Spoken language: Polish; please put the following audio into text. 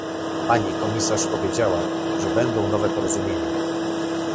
Pani komisarz powiedziała, że będą nowe porozumienia